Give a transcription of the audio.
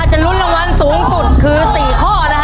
ถ้าจะรุ่นรางวัลสูงสุดคือสี่ข้อนะคะ